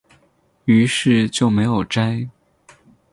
於是就没有摘